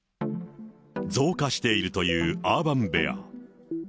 増加しているというアーバンベア。